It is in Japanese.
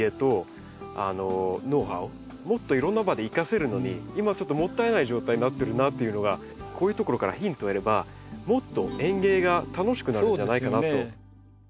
もっといろんな場で生かせるのに今ちょっともったいない状態になってるなっていうのがこういうところからヒントを得ればもっと園芸が楽しくなるんじゃないかなと。